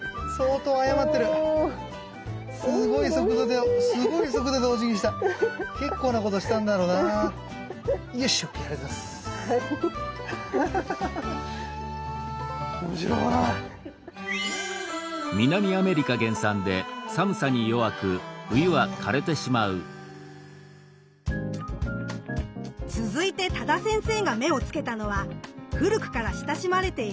続いて多田先生が目をつけたのは古くから親しまれている園芸植物